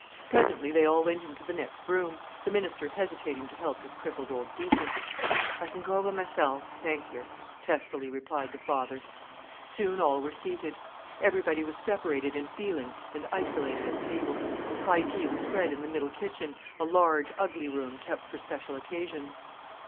Presently they all went into the next room, the minister hesitating to help his crippled old deacon. "I can go by myself, thank yer," testily replied the father. Soon all were seated. Everybody was separated in feeling and isolated at table. High tea was spread in the middle kitchen, a large, ugly room kept for special occasions.